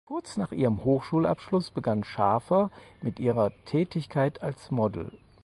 Kurz nach ihrem Hochschulabschluss begann Schafer mit ihrer Tätigkeit als Model.